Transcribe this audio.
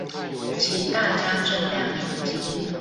請大家睜亮眼睛